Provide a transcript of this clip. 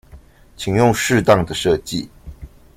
請用適當的設計